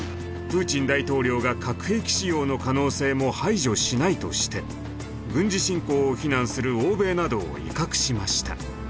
プーチン大統領が核兵器使用の可能性も排除しないとして軍事侵攻を非難する欧米などを威嚇しました。